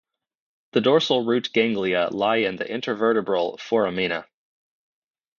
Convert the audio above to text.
The dorsal root ganglia lie in the intervertebral foramina.